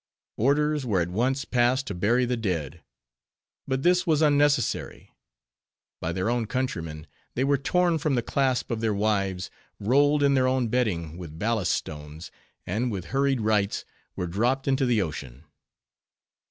Orders were at once passed to bury the dead. But this was unnecessary. By their own countrymen, they were torn from the clasp of their wives, rolled in their own bedding, with ballast stones, and with hurried rites, were dropped into the ocean.